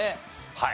はい。